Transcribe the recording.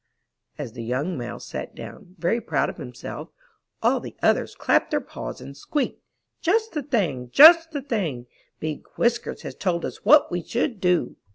*' As the young Mouse sat down, very proud of him self, all the others clapped their paws and squeaked: *'Just the thing! Just the thing! Big Whiskers has told us what we should do!'